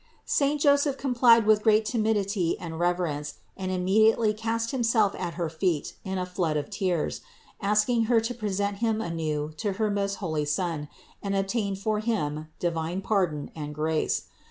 Saint Joseph complied with great timidity and reverence, and imme diately cast himself at her feet in a flood of tears, asking Her to present him anew to her most holy Son, and obtain for him divine pardon and grace.